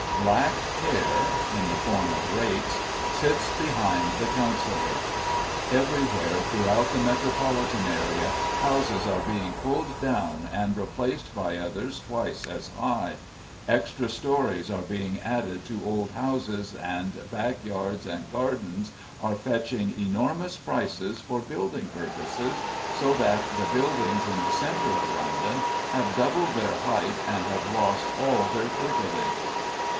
"Black care (in the form of rates) sits behind the councillor." Everywhere throughout the metropolitan area houses are being pulled down and replaced by others twice as high; extra storeys are being added to old houses, and back yards and gardens are fetching enormous prices for building purposes, so that the buildings in the centre of London have doubled their height and have lost all their curtilage.